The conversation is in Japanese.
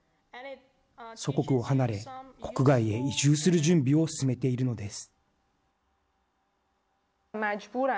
祖国を離れ国外へ移住する準備を進めているのです。